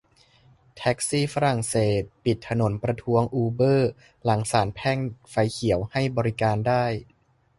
แท็กซี่ฝรั่งเศสปิดถนนประท้วง "อูเบอร์" หลังศาลแพ่งไฟเขียวให้บริการได้